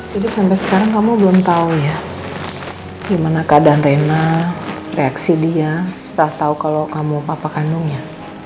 jadi sampai sekarang kamu belum tau ya gimana keadaan rena reaksi dia setelah tau kalau kamu papa kandungnya